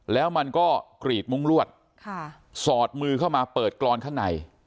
แล้วมันก็กรีดมุ้งลวดสอดมือเข้ามาเปิดกรอนข้างใน